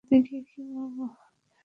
তিনি একজন।